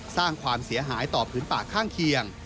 สร้างความเสียหายต่อพื้นป่าข้างเคียง